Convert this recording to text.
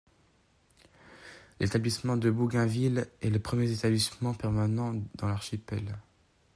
L'établissement de Bougainville est le premier établissement permanent dans l'archipel.